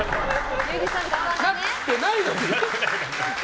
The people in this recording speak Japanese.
なってないのに？